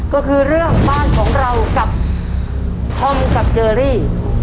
ก็คือเรื่องบ้านของเรากับธอมกับเจอรี่